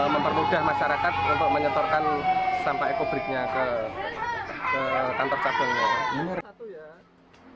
mempermudah masyarakat untuk menyetorkan sampah ekobriknya ke kantor cabang